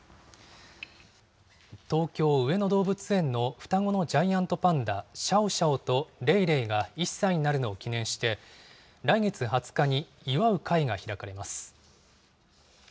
東京・上野動物園の双子のジャイアントパンダ、シャオシャオとレイレイが１歳になるのを記念して、来月２０日に祝う会が開かれます。